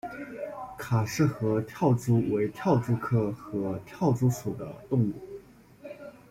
卡氏合跳蛛为跳蛛科合跳蛛属的动物。